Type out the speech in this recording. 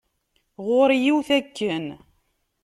Ɣur-i yiwet akken.